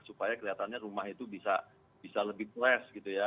supaya kelihatannya rumah itu bisa lebih fresh gitu ya